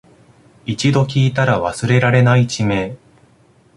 一度聞いたら忘れられない地名